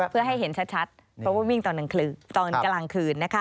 เพื่อให้เห็นชัดเพราะว่าวิ่งตอนกลางคืน